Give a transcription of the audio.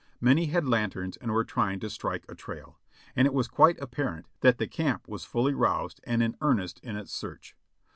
Many had lanterns and were trying to strike a trail, and it was quite apparent that the camp was fully roused and in earnest in its search.